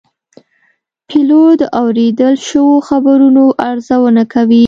پیلوټ د اورېدل شوو خبرونو ارزونه کوي.